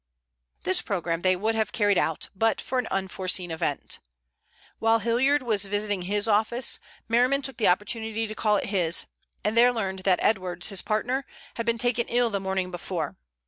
This program they would have carried out, but for an unforeseen event. While Hilliard was visiting his office Merriman took the opportunity to call at his, and there learned that Edwards, his partner, had been taken ill the morning before.